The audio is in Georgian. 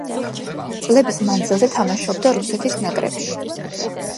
წლების მანძილზე თამაშობდა რუსეთის ნაკრებში.